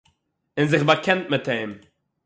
און זיך באקענט מיט אים